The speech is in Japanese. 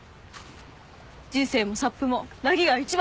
人生もサップもなぎが一番。